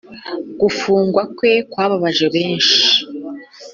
gufungwa kwe kwababaje benshi